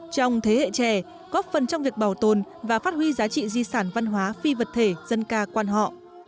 trong thế hệ trẻ góp phần trong việc bảo tồn và phát huy giá trị di sản văn hóa phi vật thể dân ca quan họ